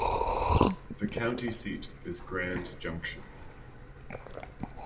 The county seat is Grand Junction.